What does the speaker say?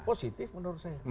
positif menurut saya